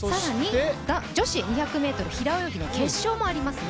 女子２００ｍ平泳ぎの決勝もありますね。